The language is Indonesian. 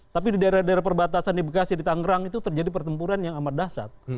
tapi di daerah daerah perbatasan di bekasi di tangerang itu terjadi pertempuran yang amat dahsyat